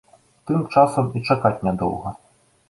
Тым часам і чакаць не доўга.